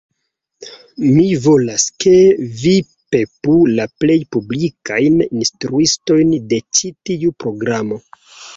Mi volas, ke vi pepu la plej publikajn instruistojn de ĉi tiu programo